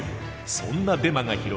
そんなデマが広がり